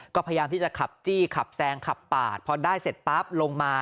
ก็พยายามที่จะขับจี้ขับแซงขับปาดพอได้เสร็จปั๊บลงมา